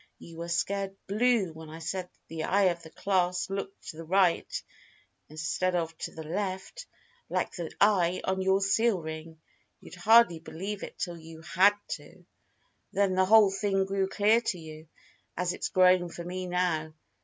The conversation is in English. You were scared blue when I said the eye of the clasp looked to the right instead of to the left, like the eye on your seal ring. You'd hardly believe it till you had to. Then the whole thing grew clear to you, as it's growing for me now.